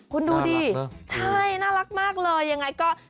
คุณดูดิใช่น่ารักมากเลยยังไงก็น่ารักนะ